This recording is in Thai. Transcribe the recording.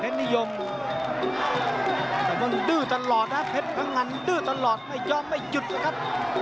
นิยมแต่มันดื้อตลอดนะเพชรพังงันดื้อตลอดไม่ยอมไม่หยุดนะครับ